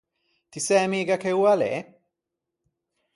Ti sæ miga che oa a l’é?